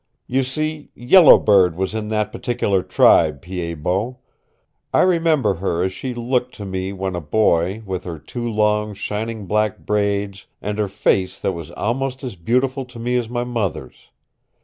"You see, Yellow Bird was in that particular tribe, Pied Bot. I remember her as she looked to me when a boy, with her two long, shining black braids and her face that was almost as beautiful to me as my mother's.